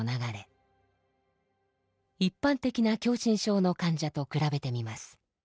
一般的な狭心症の患者と比べてみます。